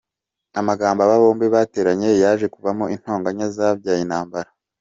Amagambo aba bombi bateranye yaje kuvamo intonganya zabyaye intambara.